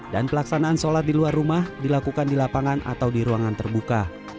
dan pelaksanaan sholat di luar rumah dilakukan di lapangan atau di ruangan terbuka